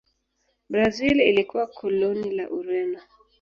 Brazil ilikuwa koloni la Ureno.